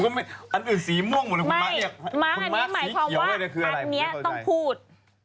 ผมก็ไม่อันอื่นสีม่วงหมดเลยคุณมาร์คอยากคุณมาร์คสีเขียวไว้ด้วยคืออะไรไม่เข้าใจไม่มาร์คอันนี้หมายความว่าอันนี้ต้องพูด